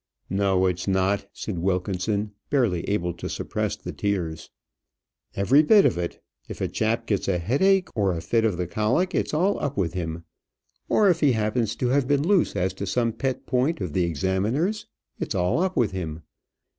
"No, it's not," said Wilkinson, barely able to suppress the tears. "Every bit of it. If a chap gets a headache, or a fit of the colic, it's all up with him. Or if he happens to have been loose as to some pet point of the examiners, it's all up with him.